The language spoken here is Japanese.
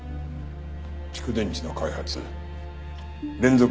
蓄電池の開発連続